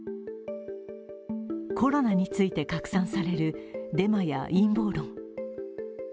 コロナについて拡散されるデマや陰謀論。